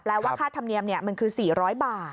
ว่าค่าธรรมเนียมมันคือ๔๐๐บาท